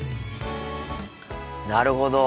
なるほど。